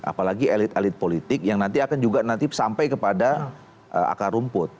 apalagi elit elit politik yang nanti akan juga nanti sampai kepada akar rumput